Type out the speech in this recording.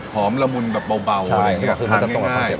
หอมระมุนแบบเบาใช่ไงคือคือมันจะตรงว่าคองเสพ